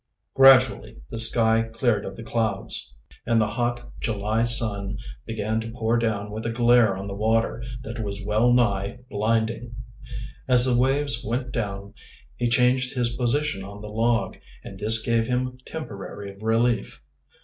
Gradually the sky cleared of the clouds, and the hot July sun began to pour down with a glare on the water that was well nigh blinding. As the waves went down he changed his position on the log, and this gave him temporary relief.